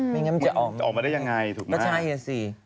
ไม่งั้นมันจะออกมาได้ยังไงถูกป่ะใช่สิ